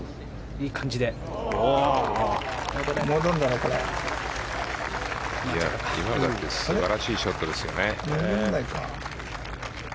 今だって素晴らしいショットですよね。